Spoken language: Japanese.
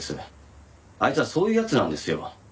あいつはそういう奴なんですよ。